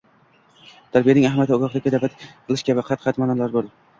tarbiyaning ahamiyati, ogohlikka da’vat qilish kabi qat-qat ma’nolar bor.